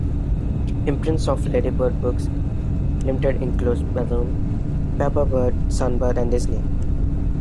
Imprints of Ladybird Books Limited included Balloon, Paperbird, Sunbird and Disney.